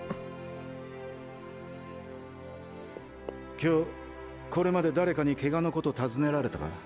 今日これまで誰かにケガのこと尋ねられたか？